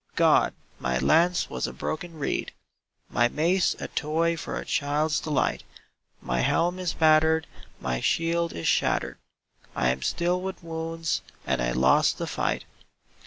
God, my lance was a broken reed. My mace a toy for a child's delight. My helm is battered, my shield is shattered, I am stiff with wounds, and I lost the fight.